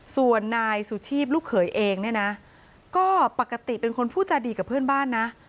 ส่วนนายสุชีพลูกเขยเองเนี่ยนะก็ปกติเป็นคนพูดจาดีกับเพื่อนบ้านนะ